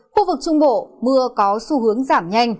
khu vực trung bộ mưa có xu hướng giảm nhanh